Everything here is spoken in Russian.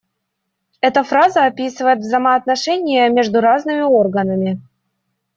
Эта фраза описывает взаимоотношения между разными органами.